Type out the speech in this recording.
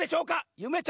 ゆめちゃん